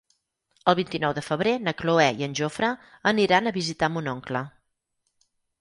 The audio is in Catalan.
El vint-i-nou de febrer na Cloè i en Jofre aniran a visitar mon oncle.